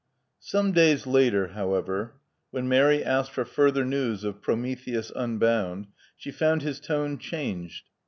Some days later, however, when Mary asked for further news of Prometheus Unbound," she found his tone changed.